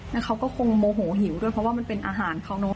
แล้วเขาก็คงโมโหหิวด้วยเพราะว่ามันเป็นอาหารเขาเนอะ